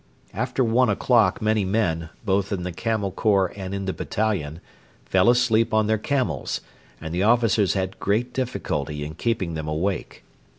After one o'clock many men, both in the Camel Corps and in the battalion, fell asleep on their camels, and the officers had great difficulty in keeping them awake.